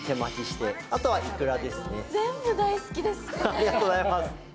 ありがとうございます。